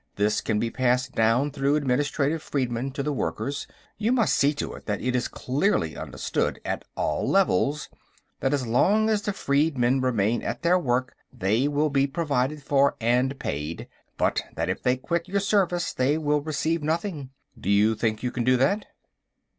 This can be passed down through administrative freedmen to the workers; you must see to it that it is clearly understood, at all levels, that as long as the freedmen remain at their work they will be provided for and paid, but that if they quit your service they will receive nothing. Do you think you can do that?"